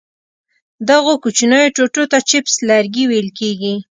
دغو کوچنیو ټوټو ته چپس لرګي ویل کېږي.